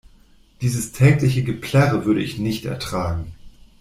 Dieses tägliche Geplärre würde ich nicht ertragen.